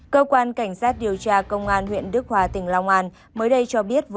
cơ quan cảnh sát điều tra công an huyện đức hòa tỉnh long an mới đây cho biết vừa